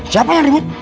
siapa yang ribut